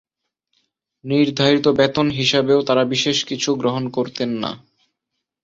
নির্ধারিত বেতন হিসাবেও তাঁরা বিশেষ কিছু গ্রহণ করতেন না।